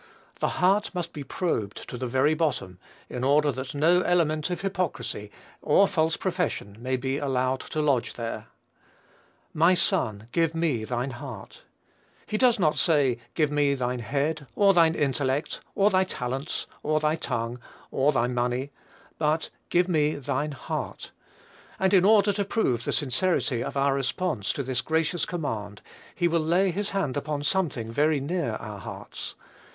The heart must be probed to the very bottom, in order that no element of hypocrisy or false profession may be allowed to lodge there. "My son, give me thine heart." He does not say, "Give me thine head, or thine intellect, or thy talents, or thy tongue, or thy money;" but "Give me thine heart:" and in order to prove the sincerity of our response to this gracious command, he will lay his hand upon something very near our hearts.